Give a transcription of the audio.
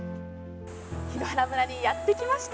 檜原村にやってきました。